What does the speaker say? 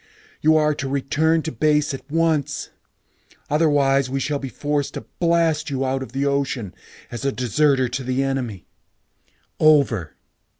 You are to return to base at once. Otherwise, we shall be forced to blast you out of the ocean as a deserter to the enemy. Over."